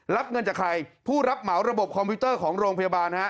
รับเงินจากใครผู้รับเหมาระบบคอมพิวเตอร์ของโรงพยาบาลฮะ